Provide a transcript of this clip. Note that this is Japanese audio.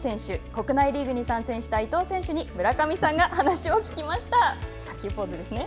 国内リーグに参戦した伊藤選手に村上さんが話を聞きました。